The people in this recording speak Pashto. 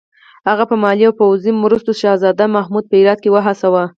هغه په مالي او پوځي مرستو شهزاده محمود په هرات کې وهڅاوه.